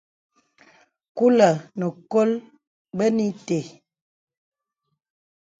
Kūlə̀ nə̀ kol bə̄nē itē.